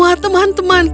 tadi kamu penuh dengan rasa